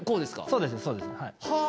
そうですそうです。